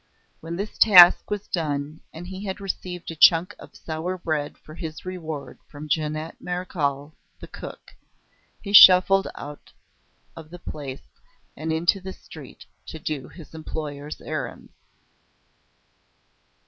When this task was done, and he had received a chunk of sour bread for his reward from Jeannette Marechal, the cook, he shuffled out of the place and into the street, to do his employer's errands.